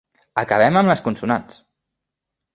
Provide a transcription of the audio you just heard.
Acabem amb les consonants!